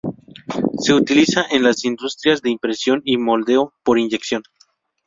Se utiliza en las industrias de impresión y moldeo por inyección.